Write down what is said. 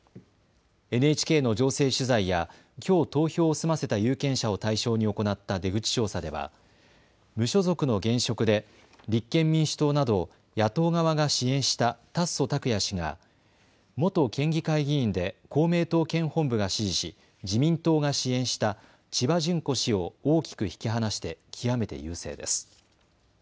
ＮＨＫの情勢取材やきょう投票を済ませた有権者を対象に行った出口調査では無所属の現職で立憲民主党など野党側が支援した達増拓也氏が元県議会議員で公明党県本部が支持し自民党が支援した千葉絢子氏を大きく引き離して極めて優勢です。